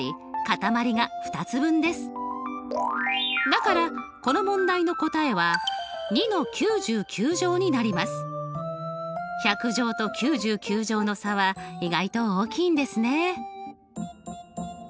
だからこの問題の答えは１００乗と９９乗の差は意外と大きいんですね。